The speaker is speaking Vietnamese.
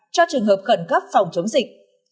cho trường hợp khẩn cấp phòng chống dịch